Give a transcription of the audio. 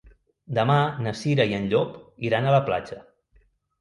Demà na Cira i en Llop iran a la platja.